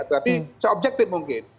tapi seobjektif mungkin